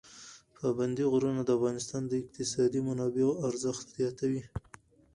پابندي غرونه د افغانستان د اقتصادي منابعو ارزښت زیاتوي.